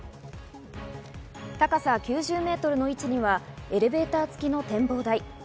高さ９０メートルの位置にはエレベーターつきの展望台。